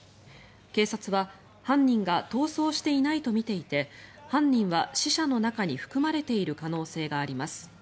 警察は犯人が逃走していないとみていて犯人は死者の中に含まれている可能性があります。